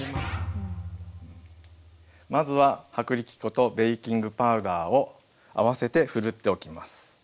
まずは薄力粉とベーキングパウダーを合わせてふるっておきます。